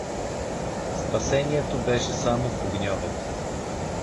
Спасението беше само в огньовете.